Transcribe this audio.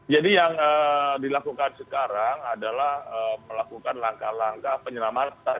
jadi yang dilakukan sekarang adalah melakukan langkah langkah penyelamatan